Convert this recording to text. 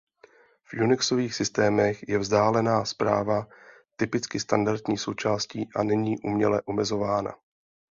V unixových systémech je vzdálená správa typicky standardní součástí a není uměle omezována.